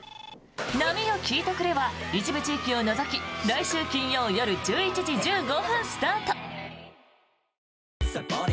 「波よ聞いてくれ」は一部地域を除き来週金曜夜１１時１５分スタート。